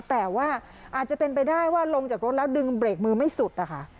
แต่ว่าอาจจะเป็นไปได้ว่าลงจากรถแล้วดึงเบรกมือไม่สุดนะคะ